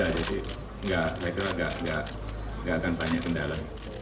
enggak saya kira enggak enggak enggak akan banyak kendala